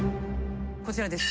こちらです。